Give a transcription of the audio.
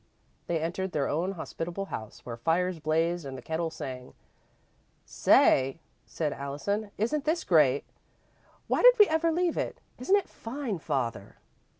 They entered their own hospitable house, where fires blazed and the kettle sang. "Say," said Allison, "isn't this great! Why did we ever leave it? Isn't it fine, Father?"